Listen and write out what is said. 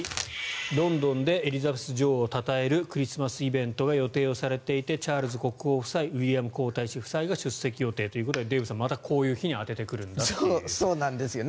ロンドンでエリザベス女王をたたえるクリスマスイベントが予定をされていてチャールズ国王夫妻ウィリアム皇太子夫妻が出席予定ということでデーブさん、またこういう日に当ててくるんだということなんですね。